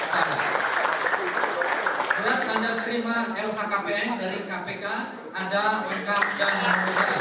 surat keterangan tanda terima lhkpn dari kpk ada lengkap dan penuhi sarang